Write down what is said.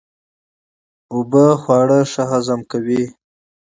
اوبه د خوړو ښه هضم کوي.